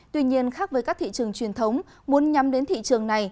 tuy nhiên khác với các thị trường truyền thống muốn nhắm đến thị trường này